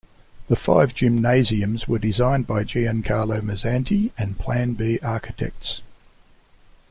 The five gymnasiums were designed by Giancarlo Mazzanti and Plan B Architects.